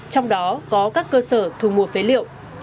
trong đó có các cơ sở thu mua phế liệu